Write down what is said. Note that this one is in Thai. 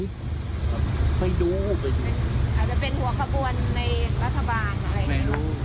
ไม่รู้ไม่รู้ไม่รู้สิ